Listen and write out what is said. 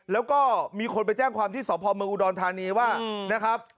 แล้วก็มีคนไปแจ้งความที่สพเมืองอุดรธานีว่านะครับ